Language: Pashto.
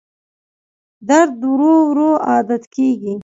درد ورو ورو عادت کېږي.